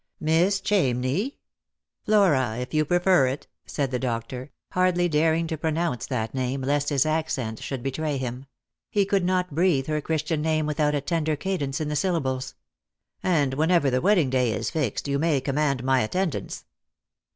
" Miss Chamney !"" Flora, if you prefer it," said the doctor, hardly daring to pronounce that name, lest his accent should betray him. He could not breathe her Christian name without a tender cadence in the syllables. " And whenever the wedding day is fixed, you may command my attendance."